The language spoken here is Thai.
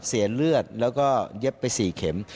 เสียเลือดแล้วก็เย็บไป๔เข็ม